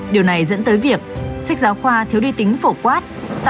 điều này dẫn tới việc sách giáo khoa thiếu đi tính phổ quát